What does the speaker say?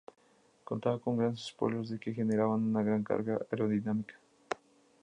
Contaba con grandes spoilers que generaban una gran carga aerodinámica.